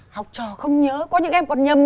học trò không nhớ có những em còn nhầm